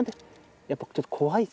やっぱちょっと怖いです。